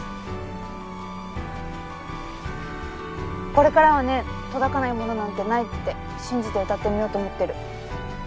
これからはね届かないものなんてないって信じて詠ってみようと思ってる。